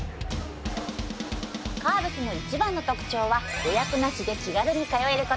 カーブスの一番の特長は予約なしで気軽に通える事。